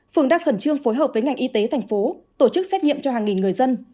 phường đang khẩn trương phối hợp với ngành y tế thành phố tổ chức xét nghiệm cho hàng nghìn người dân